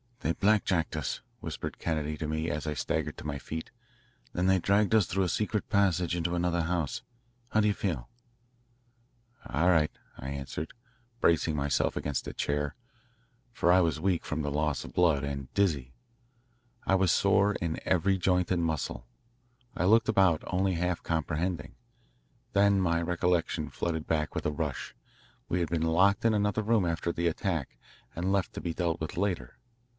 "They blackjacked us," whispered Kennedy to me as I staggered to my feet. "Then they dragged us through a secret passage into another house. How do you feel?" "All right," I answered, bracing myself against a chair, for I was weak from the loss of blood, and dizzy. I was sore in every joint and muscle. I looked about, only half comprehending. Then my recollection flooded back with a rush. We had been locked in another room after the attack, and left to be dealt with later.